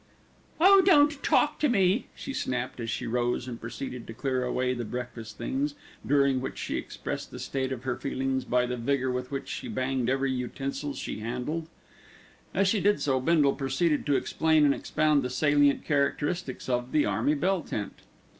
"Oh! don't talk to me," she snapped as she rose and proceeded to clear away the breakfast things, during which she expressed the state of her feelings by the vigour with which she banged every utensil she handled. As she did so Bindle proceeded to explain and expound the salient characteristics of the army bell tent.